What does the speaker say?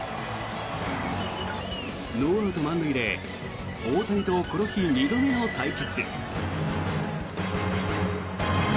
ノーアウト満塁で大谷と、この日２度目の対決。